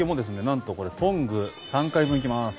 なんとこれトング３回分いきます。